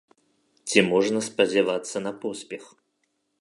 Ці можна спадзявацца на поспех?